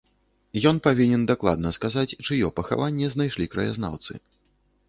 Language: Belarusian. Ён павінен дакладна сказаць, чыё пахаванне знайшлі краязнаўцы.